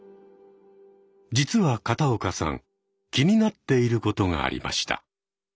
実は片岡さん気になっていることがありました。